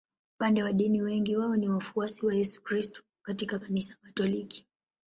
Upande wa dini wengi wao ni wafuasi wa Yesu Kristo katika Kanisa Katoliki.